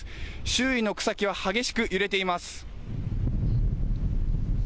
周囲の草木は激しく揺れています。